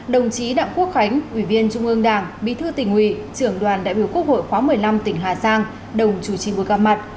đồng chí đảng quốc khánh ủy viên trung ương đảng bí thư tỉnh ủy trường đoàn đại biểu quốc hội khóa một mươi năm tỉnh hà giang đồng chủ trì bối căm mặt